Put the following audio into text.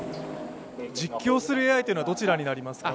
実況するＡＩというのはどちらになりますか？